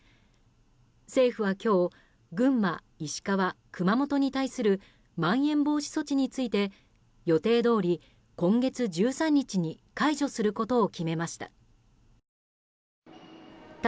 政府は今日群馬、石川、熊本に対するまん延防止措置について予定どおり、今月１３日に解除することを決めました。